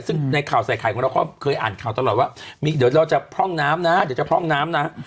ซึ่งในข่าวใส่ไข่ของเราก็เคยอ่านข่าวตลอดว่ามีเดี๋ยวเราจะพร่องน้ำนะเดี๋ยวจะพร่องน้ำนะ